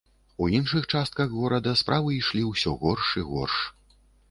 У іншых частках горада справы ішлі ўсё горш і горш.